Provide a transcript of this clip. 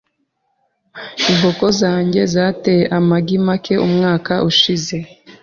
Inkoko zanjye zateye amagi make umwaka ushize.